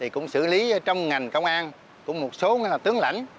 cũng xử lý trong ngành công an cũng một số tướng lãnh